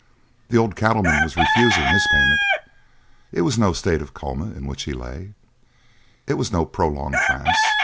The old cattleman was refusing his payment. It was no state of coma in which he lay; it was no prolonged trance.